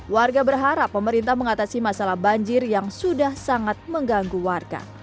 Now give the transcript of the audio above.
warga berharap pemerintah mengatasi masalah banjir yang sudah sangat mengganggu warga